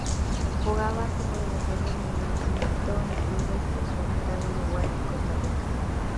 Jugaba como delantero y militó en clubes de su natal Uruguay y Costa Rica.